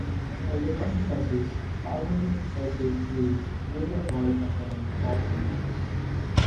As a consequence, palmitic acid is a major body component of animals.